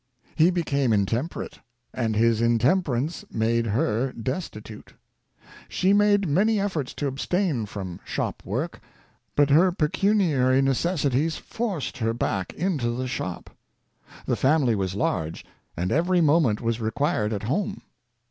He became intemperate, and his intemperance made her destitute. She made many efforts to abstain from shop work, but her pecuniary necessities forced her back into the shop. The family v^as large, and every moment was required at home.